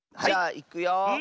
じゃあいくよ。